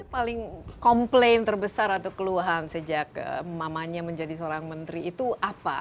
paling komplain terbesar atau keluhan sejak mamanya menjadi seorang menteri itu apa